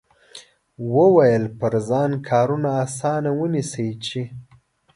وویل پر ځان کارونه اسانه ونیسئ چې.